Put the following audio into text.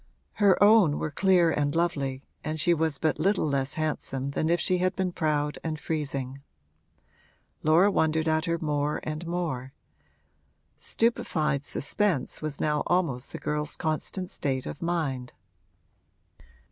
Her own were clear and lovely and she was but little less handsome than if she had been proud and freezing. Laura wondered at her more and more; stupefied suspense was now almost the girl's constant state of mind.